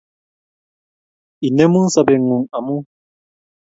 Inemu sobetngung amu